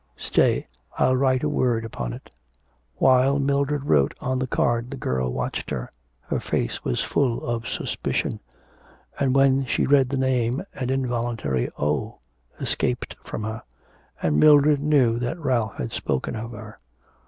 Stay, I'll write a word upon it.' While Mildred wrote on the card the girl watched her her face was full of suspicion; and when she read the name, an involuntary 'Oh' escaped from her, and Mildred knew that Ralph had spoken of her.